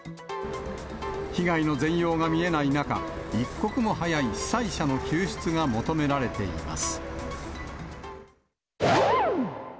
被害の全容が見えない中、一刻も早い被災者の救出が求められています。